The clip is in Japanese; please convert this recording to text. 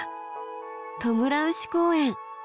トムラウシ公園。